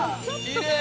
きれい！